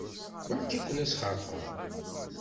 Beṛka-ken asxeṛxeṛ.